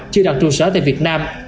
chưa đặt trụ sở tại việt nam